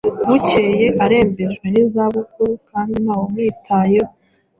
bukeye arembejwe n’izabukuru, kandi ntawumwitayeho,